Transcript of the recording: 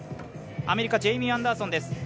アメリカ、ジェイミー・アンダーソンです。